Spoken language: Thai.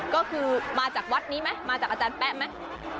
ก็คือมาจากวัดนี้ไหมมาจากอาจารย์แป๊ะไหม